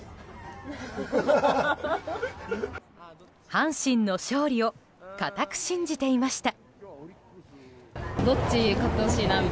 阪神の勝利を固く信じていました。